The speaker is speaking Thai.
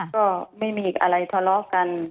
ก็ไม่มีอะไรทะเลาะกัน